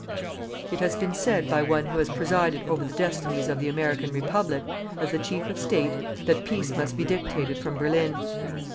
It has been said by one who has presided over the destinies of the American Republic, as the chief of State, that peace must be dictated from Berlin.